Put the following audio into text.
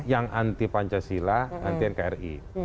yang anti pancasila anti nkri